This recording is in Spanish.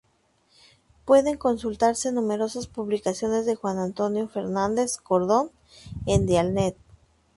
Pueden consultarse numerosas publicaciones de Juan Antonio Fernández Cordón en Dialnet.